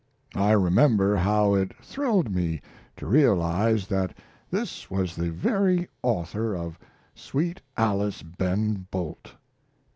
I remember how it thrilled me to realize that this was the very author of 'Sweet Alice, Ben Bolt.'